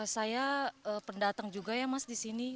saya pendatang juga ya mas disini